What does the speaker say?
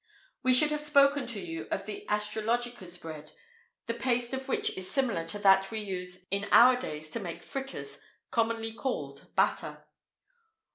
We should have spoken to you of the astrologicus bread, the paste of which is similar to that we use in our days to make fritters, commonly called batter.